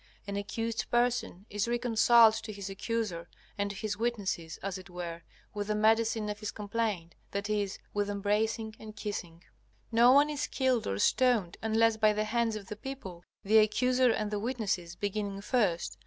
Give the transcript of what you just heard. An accused person is reconciled to his accuser and to his witnesses, as it were, with the medicine of his complaint, that is, with embracing and kissing. No one is killed or stoned unless by the hands of the people, the accuser and the witnesses beginning first.